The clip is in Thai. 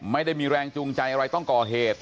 ไม่ได้มีแรงจูงใจอะไรต้องก่อเหตุ